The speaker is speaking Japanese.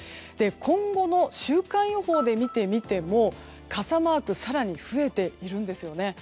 今後の週間予報で見てみても傘マーク更に増えているんですよね。